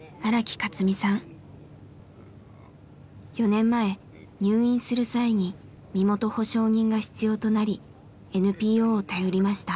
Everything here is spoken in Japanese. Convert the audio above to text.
４年前入院する際に身元保証人が必要となりＮＰＯを頼りました。